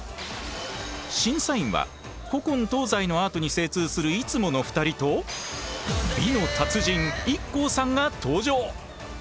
審査員は古今東西のアートに精通するいつもの２人と美の達人ＩＫＫＯさんが登場！